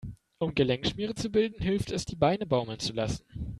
Um Gelenkschmiere zu bilden, hilft es, die Beine baumeln zu lassen.